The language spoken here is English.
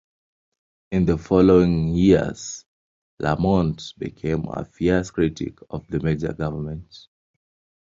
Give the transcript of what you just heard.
In the following years Lamont became a fierce critic of the Major government.